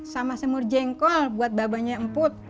sama semur jengkol buat babanya emput